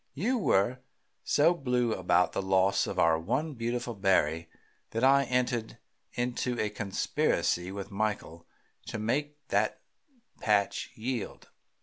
You were so blue about the loss of our one beautiful berry that I entered into a conspiracy with Michael to make that patch yield.